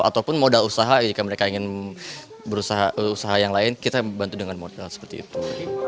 ataupun modal usaha jika mereka ingin berusaha yang lain kita bantu dengan modal seperti itu